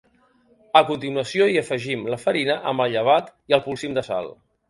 A continuació, hi afegim la farina amb el llevat i el polsim de sal.